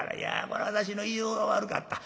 こら私の言いようが悪かった。